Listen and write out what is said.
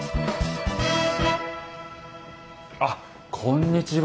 あっこんにちは。